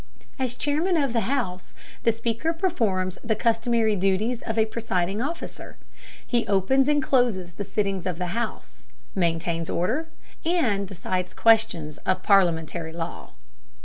As chairman of the House, the Speaker performs the customary duties of a presiding officer. He opens and closes the sittings of the House, maintains order, and decides questions of parliamentary law.